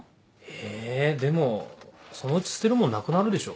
えでもそのうち捨てるものなくなるでしょ。